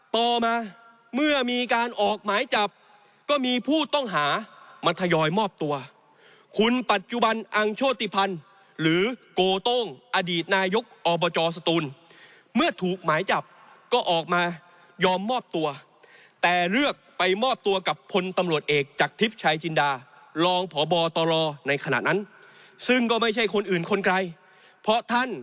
เผื่อเจ้าหน้าคุณประชุบันอังโชติพันธ์หรือกต้องอดีตนายกอบจสตูนเมื่อถูกหมายจับก็ออกมายอมมอบตัวแต่เลือกไปมอบตัวกับคนตำรวจเอกจากทริปชายจินดาลองพบตลอดในขณะนั้นซึ่งก็ไม่ใช่คนอื่นคนใครเพราะท่าน